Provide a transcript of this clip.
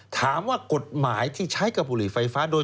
ถามว่ากฎหมายที่ใช้กับบุหรี่ไฟฟ้าโดย